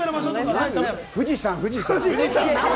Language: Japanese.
富士山、富士山！